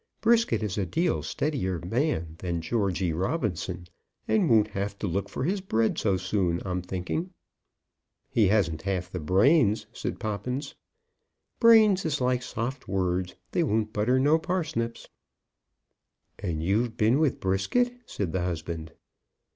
Brisket is a deal steadier man than Georgy Robinson, and won't have to look for his bread so soon, I'm thinking." "He hasn't half the brains," said Poppins. "Brains is like soft words; they won't butter no parsnips." "And you've been with Brisket?" said the husband.